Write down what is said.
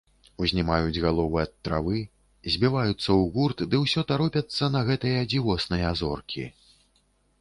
Узнімаюць галовы ад травы, збіваюцца ў гурт ды ўсё таропяцца на гэтыя дзівосныя зоркі.